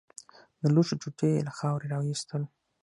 د لوښو ټوټې يې له خاورو راايستل.